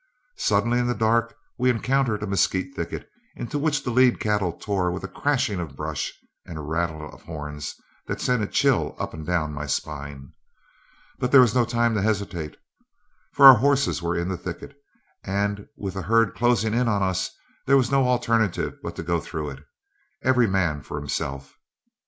Suddenly in the dark we encountered a mesquite thicket into which the lead cattle tore with a crashing of brush and a rattle of horns that sent a chill up and down my spine. But there was no time to hesitate, for our horses were in the thicket, and with the herd closing in on us there was no alternative but to go through it, every man for himself.